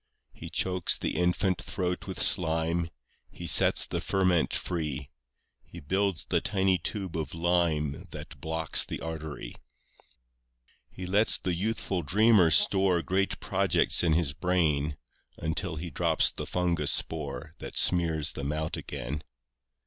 8 He chokes the infant throat with slime, He sets the ferment free; He builds the tiny tube of lime That blocks the artery. 9 He lets the youthful dreamer store Great projects in his brain, Until He drops the fungus spore That smears them out again.